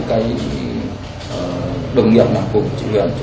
sau nhiều giờ làm việc